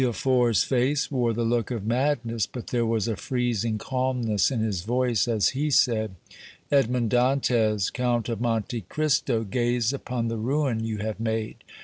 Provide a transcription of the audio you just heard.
Villefort's face wore the look of madness, but there was a freezing calmness in his voice as he said: "Edmond Dantès, Count of Monte Cristo, gaze upon the ruin you have made.